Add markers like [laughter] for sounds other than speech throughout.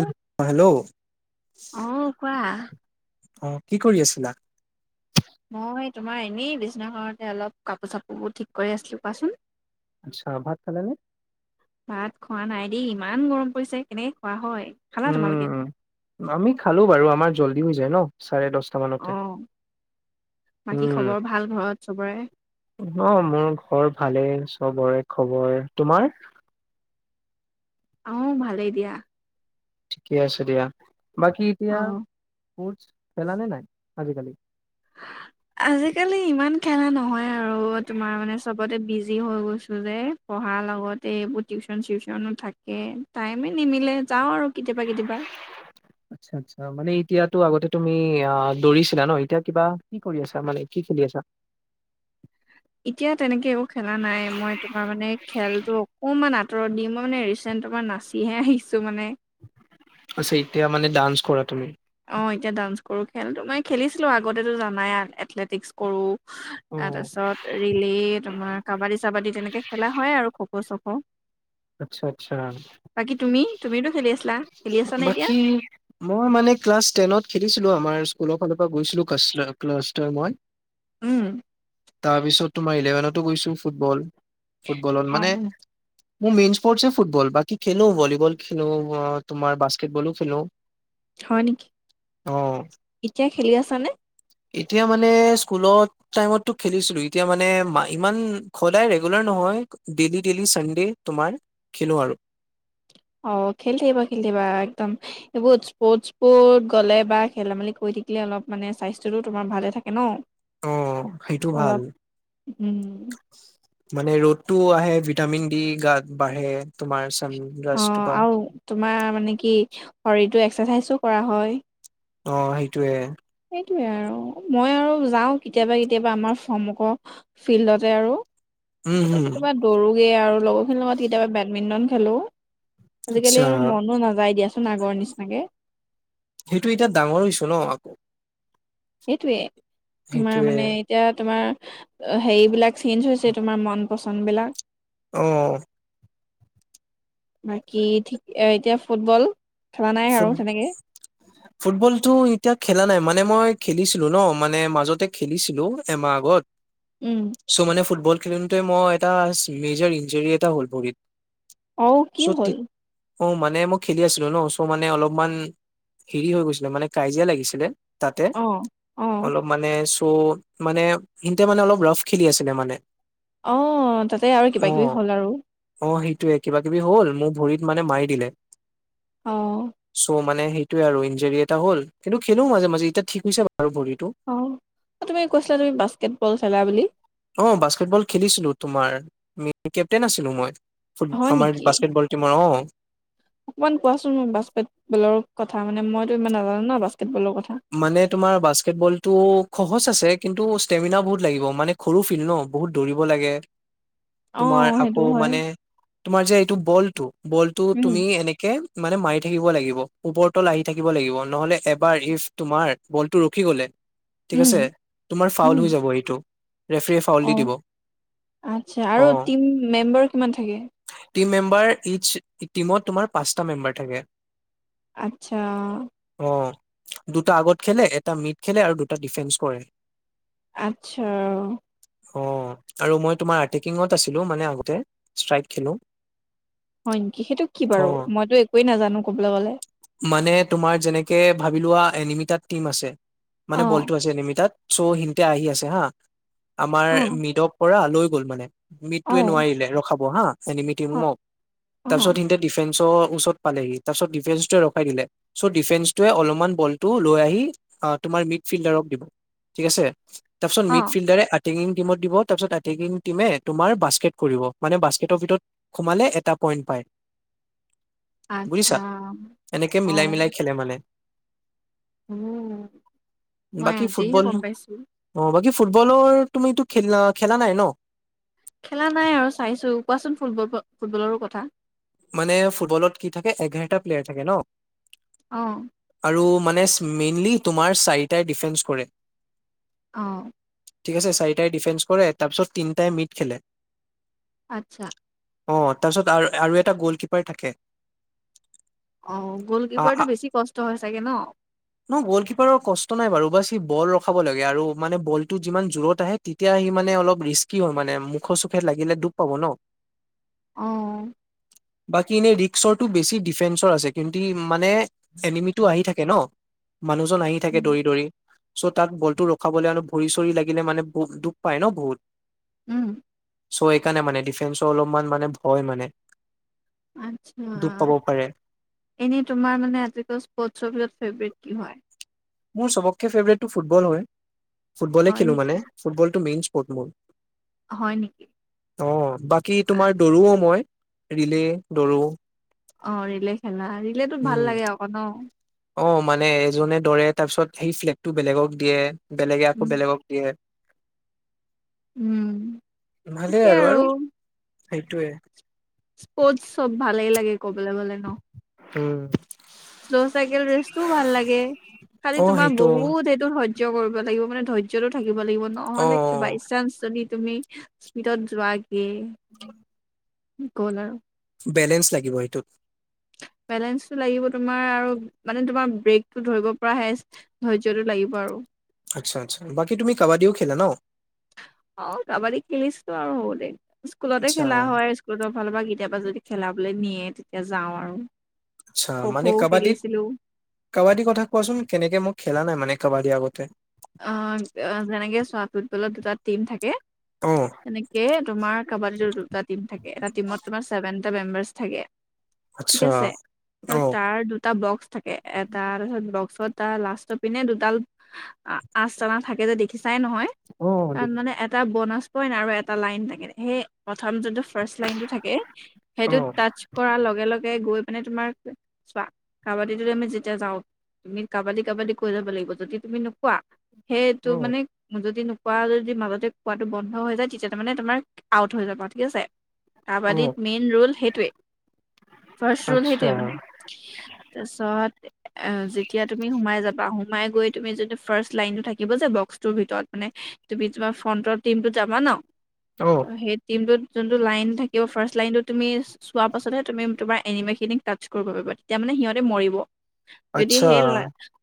অ hello অ কোৱা অ কি কৰি আছিলা মই তোমাৰ এনেই বিছনাখনতে অলপ কাপোৰ চাপোৰবোৰ ঠিক কৰি আছিলো কোৱাচোন আচ্ছা ভাত খালানে? ভাত খোৱা নাই দেই ইমান গৰম পৰিছে কেনেকে খোৱা হয় খালা তোমালোকে উম আমি খালো বাৰু আমাৰ জল্দি হৈছে যায় ন তাৰে অ দছটামানতে বাকী উম খবৰ ভাল ঘৰত চবৰে মোৰ ঘৰত ভালে খবৰে খবৰ তোমাৰ অ ভালেই দিয়া ঠিকে আছে দিয়া বাকী এতিয়া অ ক্সছ পালা নে নাই আজিকালি আজিকালি ইমান খেলা নহয় আৰু তোমাৰ মানে চবতে বিজি হৈ গৈছো যে পঢ়াৰ লগতে এইবোৰ টিউচন চিউচনো থাকে টাইমে নিমিলে যাওঁ আৰু কেতিয়াবা কেতিয়াবা আচ্ছা আচ্ছা মানে এতিয়াতো আগতে তুমি আহ দৌৰিছিলা ন এতিয়া কিবা কি কৰি আছা মানে কি খেলি আছা এতিয়া তেনেকে একো খেলা নাই মই তোমাৰ মানে খেলটো অকমান আ আতৰি দি মই মানে ৰিচেণ্ট তোমাৰ নাচিহে আহিছো মানে আচ্ছা এতিয়া মানে ডান্স কৰা তুমি অ এতিয়া ডান্স কৰো খেলটো মই খেলিছিলো আগতে জানাই আৰু এথলেটিকছ কৰো অ তাৰপাছত ৰিলি তোমাৰ কাবাডী চাবাডী তেনেকে খেলা হয় আৰু খক' চকো হা আচ্ছা আচ্ছা তুমিতো খেলি আছিলা খেলি আছা নে এতিয়া বাকী মই মানে ক্লাছ টেনত খেলিছিলো আমাৰ স্কুলৰ ফালৰ পৰা গৈছিলো ক্লাছ মই উম তাৰ পিছত তোমাৰ ইলেভেনতো গৈছো ফুটবল ফুটবলত অ মানে মোৰ মেইন স্পৰ্টছে ফুটবল বাকী খেলো ভলীবল খেলো তোমাৰ বাস্কেটবলো খেলো হয় নেকি অ এতিয়া খেলি আছা নে এতিয়া মানে স্কুলত টাইমতটো খেলিছিলো এতিয়া মানে ইমান সদায় ৰেগুলাৰ নহয় ডেইলি ডেইলি চানডে তোমাৰ খেলো আৰু অ খেলি থাকিবা খেলি থাকিবা একদম এইবোৰত স্পৰ্ট বত গ'লে বা খেলেমেলি কৰি থাকিলে অলপ মানে স্বাস্থ্যটো তোমাৰ ভালে থাকে ন অ সেইটো ভাল অলপ উম মানে ৰ'দটো আহে ভিটামিন দি গাত বাঢ়ে তোমাৰ অ চানৰাইজটোপা আৰু তোমাৰ মানে কি শৰীৰটো এক্সাৰচাইজো কৰা হয় অ সেইটোয়ে সেইয়ে আৰু মই আৰু যাওঁ কেতিয়াবা কেতিয়াবা আমাৰ সমগ্ৰ ফিল্ডতে আৰু উম, কেতিয়াবা হুম, কেতিয়াবা দৌৰোগে আৰু লগৰখিনিৰ লগত কেতিয়াবা বেডমিণ্টন খেলো আচ্ছা। আজিকালি আৰু মনো নাযায় দিয়া নগৰ নিচিনাকে সেইটো এতিয়া ডাঙৰ হৈছে ন এইটোৱে তোমাৰ সেইটোৱে। মানে এতিয়া তোমাৰ হেৰিবিলাক চেঞ্জ হৈছে তোমাৰ মন পচন্দ বিলাক আহ বাকী ঠিক এতিয়া ফুটবল খেলা নাই আৰু তেনেকে ফুটবলটো এতিয়া খেলা নাই মানে মই খেলিছিলো ন মানে মাজতে খেলিছিলো এমাহ আগত উম চ মানে ফুটবল খেলোতে মই এটা মেজাৰ ইঞ্জাৰী এটা হ'ল ভৰিত অ কি চ' হ'ল তি- অ মানে মই খেলি আছিলো ন ত মানে অলপমান হেৰি হৈ গৈছিলে মানে কাজিয়া লাগিছিলে তাতে অ অ অলপ মানে ত' মানে সিহতে মানে অলপ ৰাফ খেলি আছিলে মানে আহ তাতে আৰু কিবা কিবি হ'ল আৰু য়ে কিবা কিবি হ'ল মোক ভৰিত মানে মাৰি দিলে অ চোন মানে সেইটোয়ে আৰু ইঞ্জাৰি এটা হ'ল কিন্তু খেলো মাজে মাজে এতিয়া ঠিক হৈছে বাৰু ভৰিটো অ তুমি কৈছিলা তুমি বাস্কেটবল খেলা বুলি মই কেপ্টেইন আছিলো মই হয় আমাৰ নেকি? বাস্কেটবল টিমৰ অ অকমান কোৱাচোন মোক বাস্কেট বলৰ কথা মানে মইতো ইমান নাজানো ন বাস্কেট মানে তোমাৰ বাস্কেটবলতটো সহজ আছে কিন্তু ষ্টেমিনা বহুত লাগিব মানে সৰু ফিল ন বহুত দৌৰিব লাগে অ', তোমাৰ সেইটো আকৌ হয় মানে তোমাৰ যে এইটো বল বলটো তুমি উম, এনেকে মানে মাৰি থাকিব লাগিব ওপৰতল আহি থাকিব লাগিব নহলে এবাৰ ইফ তোমাৰ বলটো ৰখি গলে ঠিক উম, আছে তোমাৰ ফাউল উম, হৈ যাব এইটো ৰেফাৰীয়ে ফাউল দি অ দিব ইচ্ছা আৰু অ টিম মেম্বাৰ কিমান থাকে টিম মেম্বাৰ ইচ টিমত তোমাৰ পাঁচটা মেম্বাৰ থাকে আচ্ছা অ দুটা আগত খেলে এটা মিট খেলে আৰু দুটা ডিফেন্স কৰে আচ্ছা অ আৰু মই তোমাৰ আটেকিঙত আছিলো মানে আগতে ষ্ট্ৰাইক খেলো হয় নেকি সেইটো কি অ বাৰু মইতো একোৱে নাজানো কবলৈ গলে মানে তোমাৰ যেনেকে ভাবি লোৱা এনিমিটাত টিম আছে মানে বলটো অ', আছে এ নিমিতাত চ'অ সিতে আহি আছে হা আমাৰ অ', মৃদ পৰা লৈ গ'ল মানে মিটটোৱে অ', নোৱাৰিলে ৰখাব হা এনিমিটি অ', তাৰপিছত অ', সতে ডিফেন্ চৰত পালেহি তত ৰখাই দিলে চঅ ডিফেন্সতোৱে অলমান বলটো লৈ আহি আ তোমাৰ মিকফিল্ডৰক দিলে ঠিক আছে তাৰ পাছত অ', মিফিল্ডেৰে এটেিং টিমত দিব তাৰপিছত এটেগিং টিমে তোমাৰ বাস্কেট কৰিব মানে বাস্কেটৰ ভিতৰত সোমালে এটা পইণ্ট পায় বুজিছা আচ্ছা এনেকে মিলাই মিলাই খেলে মানে উ মই বাকী আজিহে ফুটবল গম পাইছো অ বাকী ফুটবলৰ তুমিটো খেল খেলা নাই ন খেলা নাই আৰু চাইছো কোৱাচোন ফুটবল ফুটবলৰো কথা মানে ফুটবলত কি থাকে এঘাৰটা প্লেয়াৰ থাকে ন আহ আৰু মানে মেইনলি তোমাৰ চাৰিটাই ডিফেন্স কৰে আহ ঠিক আছে চাৰিটাই ডিফেন্স কৰে তাৰপিছত তিনিটাই মিট খেলে আত্ছা অ তাৰপিছত আৰু আৰু এটা গ'লকিপাৰ থাকে আহ আ গলকিপাৰটো আ- বেছি কষ্ট হয় চাগে ন জবল ৰখাব লাগে আৰু মানে বলটো যিমান জোৰত আহে তেতিয়া আহি মানে অলপ ৰিস্কি হয় মানে মুখ চুখে লাগিলে দুখ পাব ন অ বাকী এনে ৰিক্সটো বেছি ডিফেসৰ আছে কিন্তু মানে এনিমিটো আহি থাকে ন মানুহজন আহি থাকে উম দৌৰি দৌৰি চ' তাত বলতটো ৰখাবলৈ আৰু ভৰি চৰি লাগিলে মানে বুকুত দুখ পায় ন বহুত উম চ' এইকাৰণে মানে ডিফেন্সৰ অলপমান মানে ভয় মানে আতছা দুখ পাব পাৰে এনেই তোমাৰ মানে আজ স্পৰ্ অফত ফেবৰেট কি হয় মোৰ চবককৈ ফেভৰেটটো ফুটবল হয় ফুটবলে হয় খেলো নেকি মানে ফুটবল টো মেইন ফুটবল হয় নেকি অ বাকী তোমাৰ দৌৰোও মই ৰিলে দৰো অ ৰিলে খেলা ৰিলেটো ভাল লাগে আক ন অ মানে এজনে দৰে তাৰপিছত সেই ফ্লেগটো বেলেগক দিয়ে বেলেগে আকৌ উম বেলেগক দিয়ে উম থিকে আৰু সেইটোৱে স্পৰ্ট চব ভালেই লাগে ক'বলৈ গলে ন উম শ্ল' চাইকেল ৰেচটোও ভাল লাগে খালি অ', তোমাৰ সেইটো বহুত সেইটো ধ ধৈৰ্য কৰিব লাগিব মানে ধৈৰ্যটো থাকিব লাগিব অ', নহ'লে অ', বাই চান্স যদি তুমি স্পিডত যোৱাাকে [unintelligible] গল আৰু বেলেঞ্চ লাগিব এইটোত বেলেঞ্চটো লাগিব তোমাৰ আৰু মানে তোমাৰ ব্ৰেকটো ধৰিব পৰা হে ধৈৰ্যটো লাগিব আৰু আচ্ছা আচ্ছা বাকী তুমি কাবাডীও খেলা ন অ কাবাদি খেলিছো আৰু হ'ব দে স্কুলতে আচ্ছা, খেলা হয় স্কুলতৰ ফালৰ পৰা কেতিয়াবা যদি খেলাাবলৈ নিয়ে তেতিয়া যাওঁ আৰু আচ্ছা খো খো মানে কাবাডীত খেলিছিলো কাবাডীৰ কথা কোৱাচোন কেনেকে মই খেলা নাই মানে কাবাদি আগতে অ যেনেকে চোৱা ফুটবলত দুটা টিম থাকে অ', তেনেকে তোমাৰ কাবাডীৰ দুটা টিম থাকে এটা টিমত তোমাৰ ছেভেন টা মেম্বাৰছ থাকে আচ্ছা অ তটা বক্স থাকে এ তাৰপিছত বক্সত দুটা লাষ্টৰ পিনে দুডাল অ আচ তালা থাকে যে দেখিছে চাই নহয় অ', তাত দেখিছোঁ। মানে এটা বনাছ কই ন আৰু এটা লাইন থাকে সেই প্ৰথমটোতো ফাৰ্ষ্ট লাইন টো থাকে হেইটো অ', টাছ কৰা লগে লগে গৈ মানে তোমাৰ চ কাবাডী আমি যেতিয়া যাও তুমি কাবাডী কাবাডী কৈ যাব লাগিব যদি তুমি কুৱা সেইটো অ', মানে যদি ন কোৱা যদি মাজতে কোৱাটো বন্ধ হৈ যায় তেতিয়া তাৰ মানে তোমাৰ আউট হৈ যাবা ঠিক আছে কাবাডীত অ', মেইন ৰোল সেইটোয়ে ফাৰ্ষ্ট ৰোল আচ্ছা সেইটোয়ে মানে তাৰপিছত যেতিয়া তুমি সোমাই যাবা আহোম মাই গৈ তুমি যদি ফাৰ্ষ্ট লাইন টো থাকিব যে বক্সটোৰ ভিতৰত মানে তুমি তোমাৰ ফ্ৰণ্টৰ টিমতো যাবা অ', ন সেই তিম টোত যোনটো লাইন থাকিব ফাৰ্ষ্ট লাইনতো তুমি চোৱাৰ পাছতহে তুমি তোমাৰ এনিমে খিনিক টাচ কৰিব পাৰিবা তেতিয়া মানে সিহঁতে মৰিব যদি আচ্ছা হেইেল ল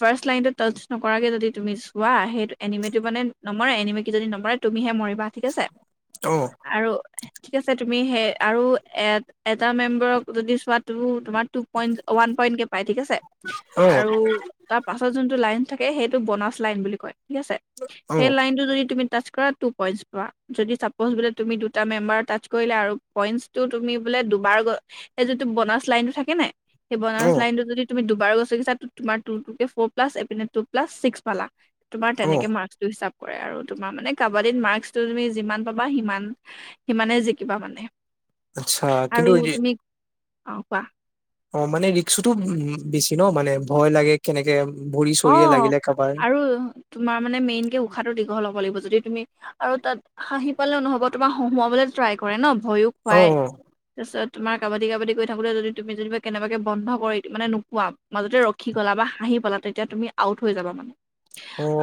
ফাৰ্ষ্ট লাইনত টচ নকৰাকে যদি তুমি চোৱা সেইটো এনিমেটো মানে নমৰে এনিমে কি যদি নমৰে তুমিহে মৰি বা ঠিক আছে অ', আৰু ঠিক আছে তুমি সেই আৰু এ এটা মেম্বৰক যদি চোৱা তো তোমাক টো পইন ৱান পইণ কে পাই ঠিক আছে অ'। আৰু তাৰ পিছৰ জোনটো লাইন থাকে সেইটো এইটো বনাছ লাইন বুলি কয় ঠিক আছে সেই অ', লাইনতটো যদি তুমি টাচ কৰা টু পইন্ট প য চাপজ বোলে তুমি দুটা মেম্বাৰত টাচ কৰিলো আৰু পইন্টচটো তুমি বোলে দুবাৰ যিটো বনাচ লাইন টো থাকে নে সেই বনাচ অ', লাইনটো যদি তুমি দুবাৰ গছকি চা তোমাৰ টুটোকে ফ' প্লা এইপিনে তোক প্লাছ ছিক্স পালা তোমাৰ অ', তেনেকে মাৰ্কটো হিচাপ আৰু তোমাৰ মানে কাবাডীত মাৰ্কটো তুমি যিমান পাবা সিমান সিমানে জিকিবা মানে আচ্ছা আৰু কিন্তু তুমি অ কোৱা অ মানে ৰিক্সুতো উ বেছি ন মানে ভয় লাগে কেনেকে ভৰি অ চৰিয়ে লাগিলে কাবাৰ আৰু তোমাৰ মানে মেইন কে উশাহটো দীঘল হব লাগিব যদি তুমি আৰু তাত হাঁহি পালেও নহব তোমাৰ হুৱাবলে ট্ৰাই কৰে ন ভয়ো খুৱাই অ', তাৰপিছত তোমাৰ কাবাডী কাবাডী গৈ থাকোতে যদি তুমি যেনিবা কেনেবাকে বন্ধ কৰি মানে নোপোৱা মাজতে ৰখি গলা হাঁহি পলা তেতিয়া তুমি আউট হৈ যাবা মানে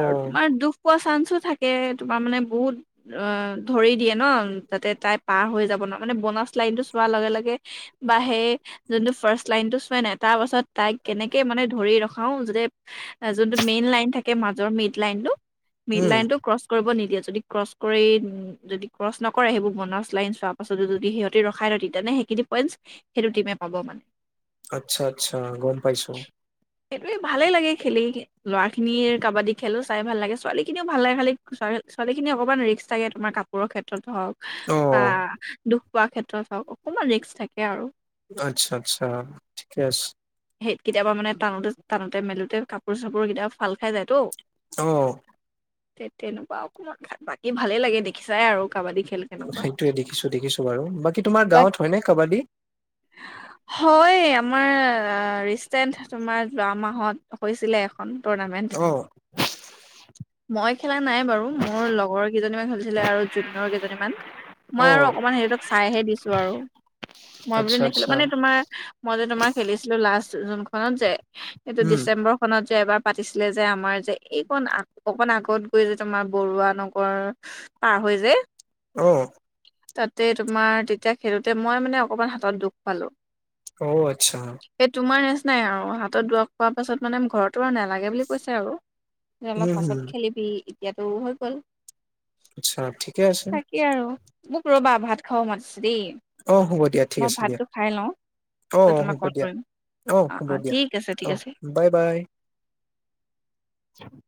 আৰু তোমাৰ দুখ পোৱা চাঞ্চ থাকে তোমাৰ মানে বহুত অ ধৰি দিয়ে ন যাতে তাই পাৰ হৈ যাব ন মানে বনাচ লাইন টো চোৱাৰ লগে লগে বা সেই যোনটো ফাৰ্ষ্ট লাইন টো চোৱ নাই তাৰ পাছত তাইক কেনেকে মানে ধৰি ৰখাও য যোনটো মেইন লাইন থাকে মাজৰ মেইড লাইনতটো মিড উম, লাইন টো ক্ৰচ কৰিব নি যদি ক্ৰচ কৰি যদি ক্ৰচ নকৰে সেইবোৰ বন লাইন চোৱাৰ পাছত যদি সিহঁতে ৰখাই লই‌ তেতিয়াহলে সেইখিনি পইন্ট সেইটো টিমে পাব মানে পাব মানে আচ্ছা আচ্ছা গম পাইছো এই ভালেই লাগে খেলি ল'ৰা খিনিৰ কাবাডী খেলো চাই ভাল লাগে ছোৱালী খিনিও ভাল লাগে খালী ছোৱালী খিনি অকণমান ৰিক্ক থাকে তোমাৰ কাপোৰৰ ক্ষেত্ৰত হওক অ দু কোৱা ক্ষেত্ৰত চাওক অকণমান ৰিক্ক থাকে আৰু আচ্ছা আচ্ছা ঠিকে আছে কেতিয়াবা মানে টানোতে টানোতে মেলোতে কাপোৰ চাপোৰ কেতিয়াবা ফাল খাই যায় তো আহ তেনেকুৱা অকমান বাকী ভালে লাগে দেই সেইটোৱে দেখিছো দেখিছো বাৰু বাকী তোমাৰ বাক গাঁৱত হয়নে কাবাডী হয় আমাৰ ৰিচেণ্ট তোমাৰ যোৱা মাহত হৈছিলে এ টৰ্ণামেন্ট অ', মই খেলা নাই বাৰু মোৰ লগৰ কেইজনীমান খেলিছিলে আৰু জুনিয়ৰ কেইজনীমান মই আৰু অ', অকমান সেইহঁতক চাইহে দিছো আৰু মই বোলো আচ্ছা, নেখেলো আচ্ছা মানে তোমাৰ মই যে তোমাক খেলিছিলো লাষ্ট যোনখনত যে এইটো উম, ডিচেম্বৰ খনত যে এবাৰ পাতিছিলে যে আমাৰ যে এইকণ আ অকণ আগত গৈ যে তোমাৰ বৰুৱা নগৰ পাৰ হৈ যে আহ তাতে তোমাৰ তেতিয়া খেলোতে মই মানে অকমান হাতত দুখ পালো অ আচ্ছা নাই আৰু ত দৰৱ খোৱাৰ পাছত মানে ঘৰত তোমাক নালাগে বুলি কৈছে আৰু উম, অলপ পাছত হম, খেলিবি এতিয়াতো হৈ গল আচ্ছা ঠিকে আছে তাকে আৰু মোক ৰবা ভাত খাব মাতছি অ হ'ব দিয়া ঠিক আছে দিয়া খাই লওঁ অ তাৰপিছত অ তোমাক হ'ব কল দিয়া কৰিম অ হ'ব দিয়া ঠিক আছে অ ঠিক আছে বাই বাই চিয়া হুম